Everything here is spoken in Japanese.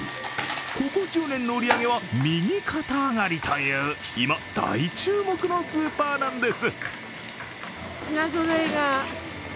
ここ１０年の売り上げは右肩上がりという、今、大注目のスーパーなんです。